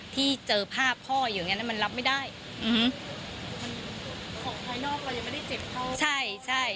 ของภายนอกก็ยังไม่ได้เจ็บเข้า